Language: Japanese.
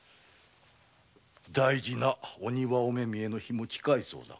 大事な「お庭おめみえ」の日も近いそうだ。